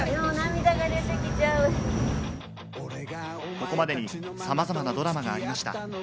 ここまでに、さまざまなドラマがありました。